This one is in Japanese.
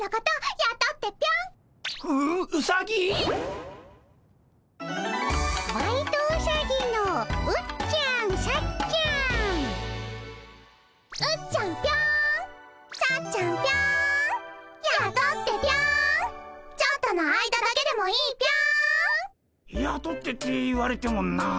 「やとって」って言われてもなあ。